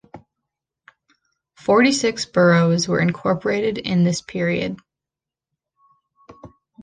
Forty-six boroughs were incorporated in this period.